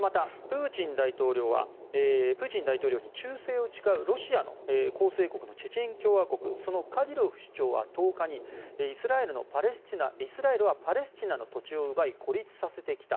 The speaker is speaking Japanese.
またプーチン大統領に忠誠を誓うロシアの構成国のチェチェン共和国そのカディロフ首長は１０日にイスラエルはパレスチナの土地を奪い孤立させてきた。